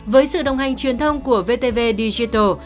với sự đồng hành truyền thông của vtv digital